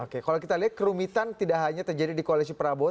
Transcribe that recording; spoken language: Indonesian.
oke kalau kita lihat kerumitan tidak hanya terjadi di koalisi prabowo